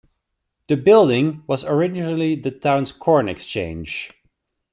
The building was originally the town's corn exchange.